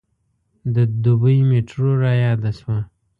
د دبۍ میټرو رایاده شوه.